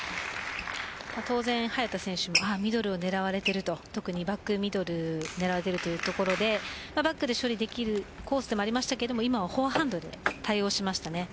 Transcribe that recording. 当然、早田選手もミドルを狙われてると特にバックミドル狙われてるというところでバックで処理できるコースでもありましたけど今はフォアハンドで対応しましたね。